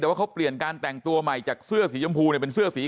แต่ว่าเขาเปลี่ยนการแต่งตัวใหม่จากเสื้อสีชมพูเนี่ยเป็นเสื้อสี